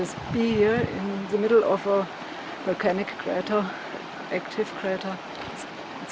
untuk berada di sini untuk berada di tengah kawah kawah yang aktif sangat luar biasa